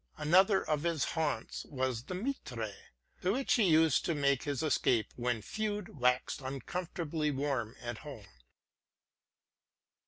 Another of his haunts was the Mitre, to which he used to make his escape when feud waxed uncomfortably warm at home.